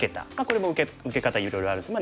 これも受け方いろいろあるんです。